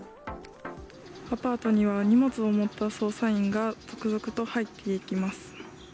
アパートには荷物を持った捜査員が続々と入っていきます。